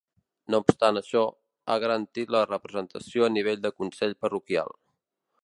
No obstant això, ha garantit la representació a nivell de consell parroquial.